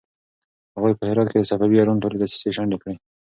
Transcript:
هغوی په هرات کې د صفوي ایران ټولې دسيسې شنډې کړې.